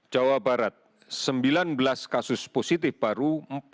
jawa barat sembilan belas kasus positif baru